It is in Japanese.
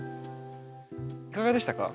いかがでしたか？